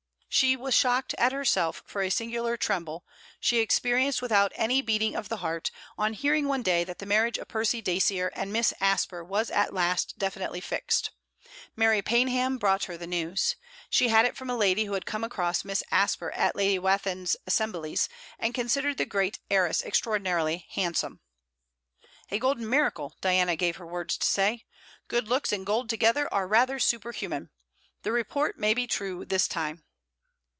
She was shocked at herself for a singular tremble 'she experienced, without any beating of the heart, on hearing one day that the marriage of Percy Dacier and Miss Asper was at last definitely fixed. Mary Paynham brought her the news. She had it from a lady who had come across Miss Asper at Lady Wathin's assemblies, and considered the great heiress extraordinarily handsome. 'A golden miracle,' Diana gave her words to say. 'Good looks and gold together are rather superhuman. The report may be this time true.'